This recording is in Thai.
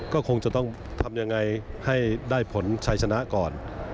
ก็คงจะต้องทำยังไงให้ได้ผลชัยชนะก่อน